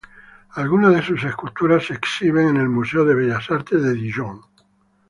Algunas de sus esculturas se exhiben en el Museo de Bellas Artes de Dijon.